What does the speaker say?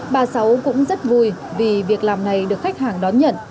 bà sáu cũng rất vui vì việc làm này được khách hàng đón nhận